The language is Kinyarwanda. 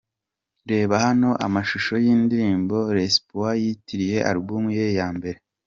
Reba hano amashusho y'indirimbo'L'espoir' yitiriye album ye ya mbere.